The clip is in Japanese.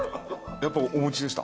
やっぱおもちでした？